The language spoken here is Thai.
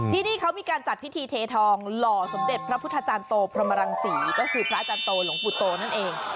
ที่นี่เขามีการจัดพิธีเททองหล่อสมเด็จพระพุทธจารย์โตพรหมรังศรีก็คือพระอาจารย์โตหลวงปู่โตนั่นเอง